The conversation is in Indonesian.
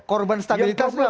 korban stabilitas itu apa